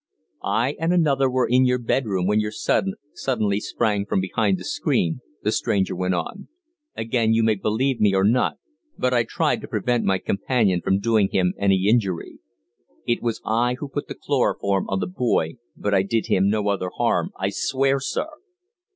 "I and another were in your bedroom when your son suddenly sprang from behind the screen," the stranger went on. "Again you may believe me or not, but I tried to prevent my companion from doing him any injury. It was I who put the chloroform on the boy, but I did him no other harm, I swear, sir."